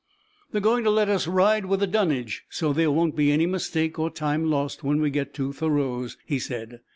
"They're going to let us ride with the dunnage so there won't be any mistake or time lost when we get to Thoreau's," he said.